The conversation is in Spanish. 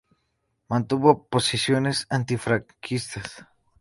Mantuvo posiciones antifranquistas.